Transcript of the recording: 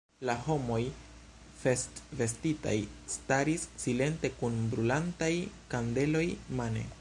La homoj festvestitaj staris silente kun brulantaj kandeloj mane.